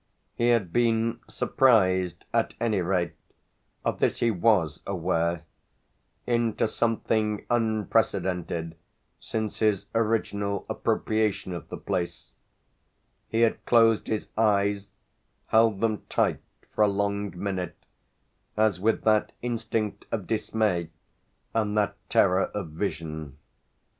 He had been surprised at any rate of this he was aware into something unprecedented since his original appropriation of the place; he had closed his eyes, held them tight, for a long minute, as with that instinct of dismay and that terror of vision.